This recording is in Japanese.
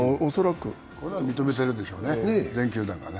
これは認めているでしょうね、全球団がね。